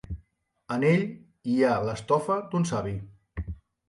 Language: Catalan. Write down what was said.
En ell hi ha l'estofa d'un savi.